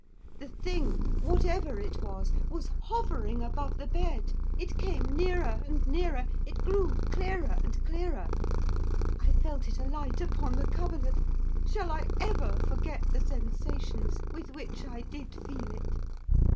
The thing, whatever it was, was hovering above the bed. It came nearer and nearer; it grew clearer and clearer. I felt it alight upon the coverlet; shall I ever forget the sensations with which I did feel it?